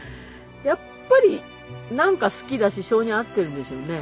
やっぱり何か好きだし性に合ってるんでしょうね。